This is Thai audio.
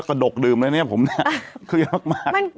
ก็ดกดื่มแล้วเนี่ยผมนะคือมาก